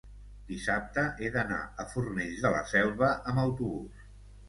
dissabte he d'anar a Fornells de la Selva amb autobús.